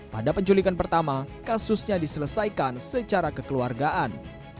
pada penculikan pertama kasusnya diselesaikan secara kekeluargaan